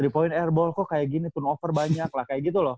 di poin airball kok kayak gini turnover banyak lah kayak gitu loh